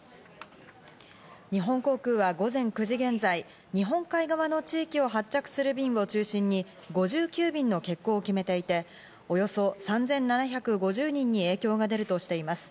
日本航空は午前９時現在、日本海側の地域を発着する便を中心に５９便の欠航を決めていて、およそ３７５０人に影響が出るとしています。